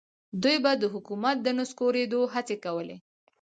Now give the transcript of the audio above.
دوی به د حکومت د نسکورېدو هڅې کولې.